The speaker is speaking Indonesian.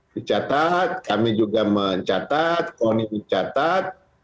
dicatat kami juga mencatat pon ini dicatat